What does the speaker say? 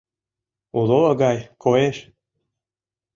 — Уло гай коеш!